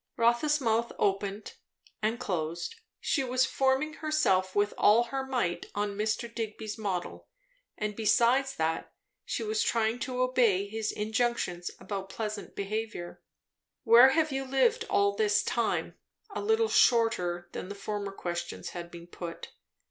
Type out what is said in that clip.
'" Rotha's mouth opened, and closed. She was forming herself with all her might on Mr. Digby's model; and besides that, she was trying to obey his injunctions about pleasant behaviour. "Where have you lived all this time?" a little shorter than the former questions had been put.